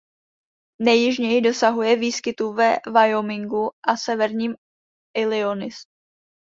Nejjižněji dosahuje výskytu ve Wyomingu a severním Illinois.